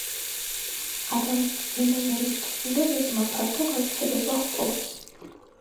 ადამ ბრემენელის თხზულებებმა ფართო გავრცელება ჰპოვეს.